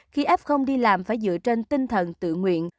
khi f đi làm phải dựa trên tinh thần tự nguyện